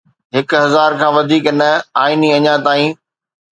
هڪ هزار کان وڌيڪ نه، آئيني اڃا تائين